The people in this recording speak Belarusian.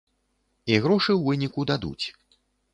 І грошы ў выніку дадуць.